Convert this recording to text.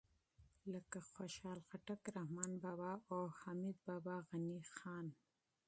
لکه خوشحال خټک، رحمان بابا او حمید بابا، غني خان